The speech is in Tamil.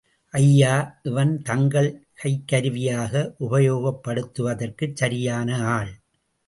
ஐயா, இவன் தங்கள் கைக்கருவியாக உபயோகப் படுத்துவதற்க்கு சரியான ஆள்.